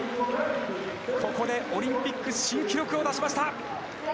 ここでオリンピック新記録を出しました。